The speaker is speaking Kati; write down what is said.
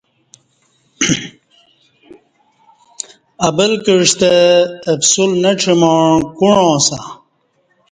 ابل کعستہ اپسول نہ چماع کوعاں سہ